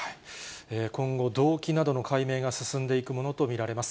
今後、動機などの解明が進んでいくものと見られます。